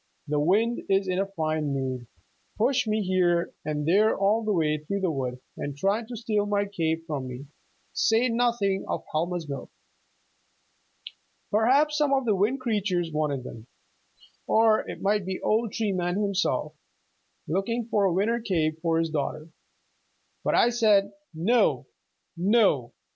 The wind is in a fine mood pushed me here and there all the way through the wood, and tried to steal my cape from me, say nothing of Helma's milk! Perhaps some of the Wind Creatures wanted them, or it might be old Tree Man himself, looking for a winter cape for his daughter. But I said, 'No, no.